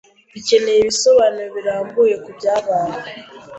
Dukeneye ibisobanuro birambuye kubyabaye.